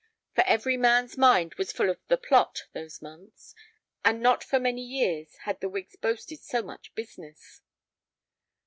For every man's mind was full of the Plot those months, and not for many years had the wigs boasted so much business.